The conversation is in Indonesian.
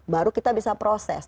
baru kita bisa proses